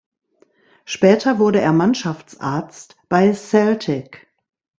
Später wurde er Mannschaftsarzt bei Celtic.